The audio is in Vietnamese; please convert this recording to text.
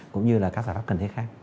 cũng như các giả pháp cần thiết khác